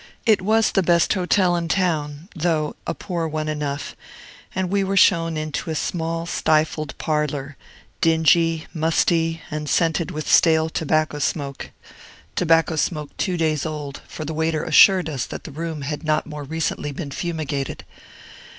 It was the best hotel in town, though a poor one enough; and we were shown into a small, stifled parlor, dingy, musty, and scented with stale tobacco smoke, tobacco smoke two days old, for the waiter assured us that the room had not more recently been fumigated.